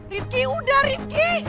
rifqi udah rifqi